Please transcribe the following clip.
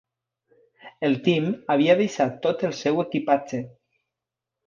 El Tim havia deixat tot el seu equipatge.